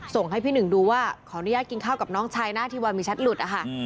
ส่งให้พี่หนึ่งดูว่าขออนุญาตกินข้าวกับน้องชายหน้าที่วันมีชัดหลุด